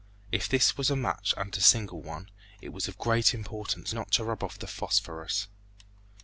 If this was a match and a single one, it was of great importance not to rub off the phosphorus.